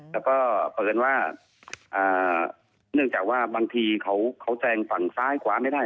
แล้วก็เปิดว่าเนื่องจากว่าบางทีเขาแสงฝั่งซ้ายกว่าไม่ได้